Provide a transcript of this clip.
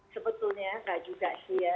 sebetulnya enggak juga sih ya